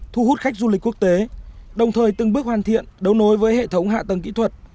thu hút khách du lịch quốc tế đồng thời từng bước hoàn thiện đấu nối với hệ thống hạ tầng kỹ thuật